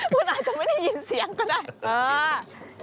คุณอาจจะไม่ได้ยินเสียงก็ได้